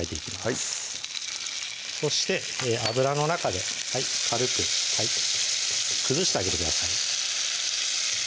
はいそして油の中で軽く崩してあげてください